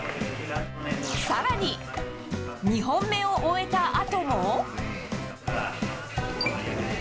更に２本目を終えたあとも。